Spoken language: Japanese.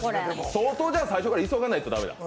相当最初に急がないと駄目だ。